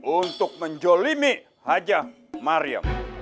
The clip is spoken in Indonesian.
untuk menjolimi haja maryam